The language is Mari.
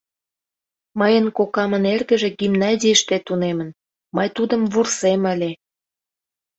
— Мыйын кокамын эргыже гимназийыште тунемын, мый тудым вурсем ыле.